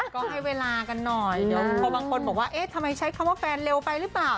ก็ให้เวลากันหน่อยเดี๋ยวพอบางคนบอกว่าเอ๊ะทำไมใช้คำว่าแฟนเร็วไปหรือเปล่า